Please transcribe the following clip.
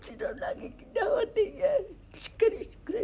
しっかりしてくれ。